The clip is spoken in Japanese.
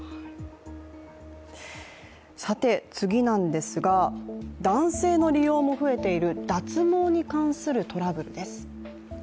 次なんですが、男性の利用も増えている脱毛に関するトラブルです。